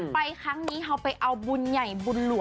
ไปครั้งนี้อย่างว่าเอาบุญใหญ่ยอด